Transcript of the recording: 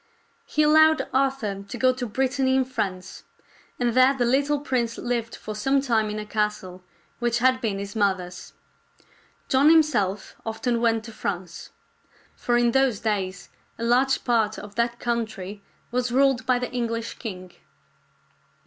He allowed Arthur to go to Brittany in France, and there the little prince lived for some time in a castle which had been his mother's. John him self often went to France ; for in those days a large part of that country was ruled by the English king.